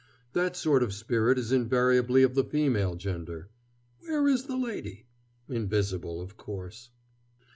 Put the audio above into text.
That sort of spirit is invariably of the female gender. Where is the lady? Invisible, of course."